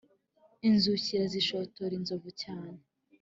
inzukira zishotora inzovu cyane